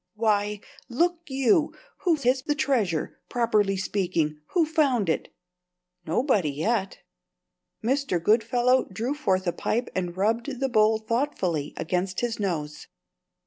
Why, look you, whose is the treasure, properly speaking? Who found it?" "Nobody, yet." Mr. Goodfellow drew forth a pipe and rubbed the bowl thoughtfully against his nose.